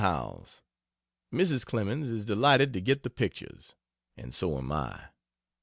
HOWELLS, Mrs. Clemens is delighted to get the pictures, and so am I.